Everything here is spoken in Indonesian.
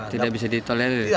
tidak bisa ditolerir